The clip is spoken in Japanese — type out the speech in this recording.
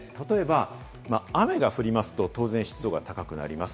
例えば雨が降りますと当然、湿度が高くなります。